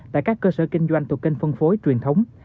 tại các cơ sở kinh doanh thuộc kênh phân phối truyền thống